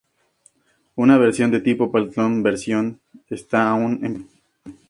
Una versión de tipo platón version está aún en producción.